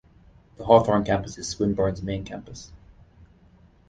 The Hawthorn campus is Swinburne's main campus.